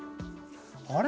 あれ？